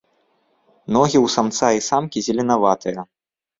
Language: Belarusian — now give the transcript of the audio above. Ногі ў самца і самкі зеленаватыя.